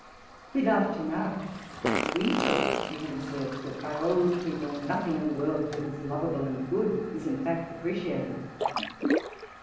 We laughed at him; for we thought we had observed, that by old people nothing in the world that is lovable and good is, in fact, appreciated.